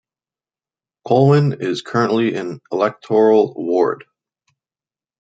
Colwyn is currently an electoral ward.